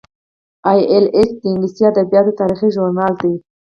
ای ایل ایچ د انګلیسي ادبیاتو د تاریخ ژورنال دی.